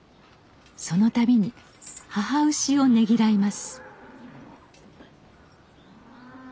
そのたびに母牛をねぎらいます。